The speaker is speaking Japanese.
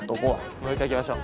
もう１回行きましょう。